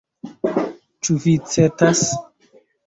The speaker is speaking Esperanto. "Ĉu vi certas?"